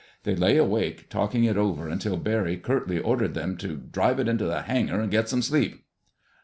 They lay awake talking it over until Barry curtly ordered them to "drive it into the hangar and get some sleep."